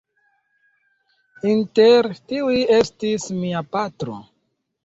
Inter tiuj estis mia patro.